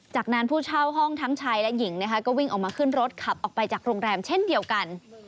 จากนั้นผู้เช่าห้องทั้งชายและหญิงนะคะก็วิ่งออกมาขึ้นรถขับออกไปจากโรงแรมเช่นเดียวกัน